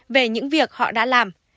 về những việc họ đã làm